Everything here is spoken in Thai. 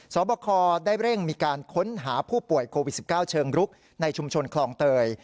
สอบคอได้เร่งมีการค้นหาผู้ป่วยโควิด๑๙เชิงรุกในชุมชนคลองเตย